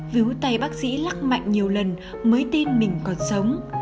víu tay bác sĩ lắc mạnh nhiều lần mới tin mình còn sống